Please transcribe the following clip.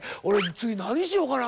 「次何しようかな」